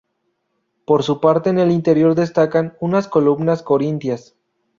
Por su parte en el interior destacan unas columnas corintias.